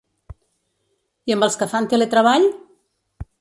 I amb els que fan teletreball?